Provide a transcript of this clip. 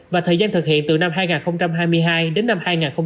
và thời gian thực hiện từ năm hai nghìn hai mươi hai đến năm hai nghìn hai mươi ba